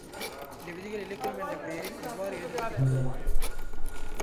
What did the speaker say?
இந்த விதிகள் இலக்கணம் என்ற பெயரில் எவ்வாறு எழுதப்பட்டிருக்கக் கூடும்?